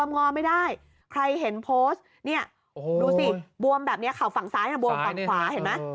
เนี้ยโอ้โหดูสิบวมแบบเนี้ยเขาะฝั่งซ้ายน่ะบวมฝั่งขวาเห็นไหม